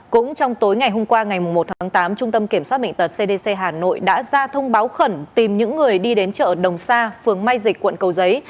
cũng trong tối ngày hôm qua ngày một tháng tám trung tâm kiểm soát bệnh tật cdc hà nội đã ra thông báo khẩn tìm những người đi đến chợ đồng sa phường mai dịch quận cầu giấy